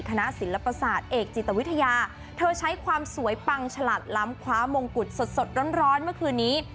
คณะศิลปศาสตร์เอกจิตวิทยาเธอใช้ความสวยปังฉลาดล้ำคว้ามงกุฎสดร้อนเมื่อคืนนี้